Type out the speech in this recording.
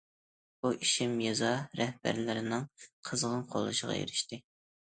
بۇ ئىشىم يېزا رەھبەرلىرىنىڭ قىزغىن قوللىشىغا ئېرىشتى.